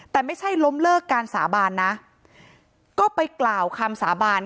แต่ไม่ใช่ล้มเลิกการสาบานนะก็ไปกล่าวคำสาบาน